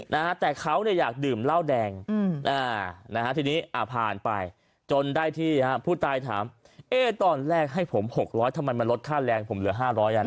นะแต่เขาได้อยากดื่มเหล้าแดงนะฮะที่นี่อภาญไปจนได้ที่ภูตรายถามตอนแรกให้ผม๖๐๐ทำไมมาลดค่าแรงผมเหลือ๕๐๐อย่าง